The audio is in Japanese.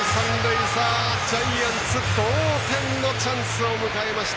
ジャイアンツ同点のチャンスを迎えました！